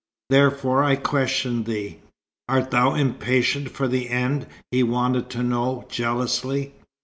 Therefore I question thee." "Art thou impatient for the end?" he wanted to know, jealously.